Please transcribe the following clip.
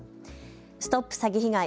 ＳＴＯＰ詐欺被害！